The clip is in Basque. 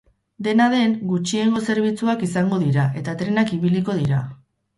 Dena den, gutxiengo zerbitzuak izango dira eta trenak ibiliko dira.